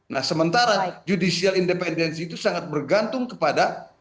nah sementara judicial independensi itu sangat bergantung kepada